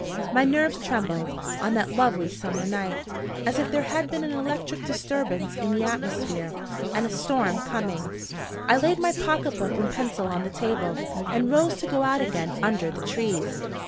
My nerves trembled, on that lovely summer night, as if there had been an electric disturbance in the atmosphere and a storm coming. I laid my pocket book and pencil on the table, and rose to go out again under the trees.